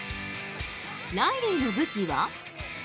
ライリーの武器は？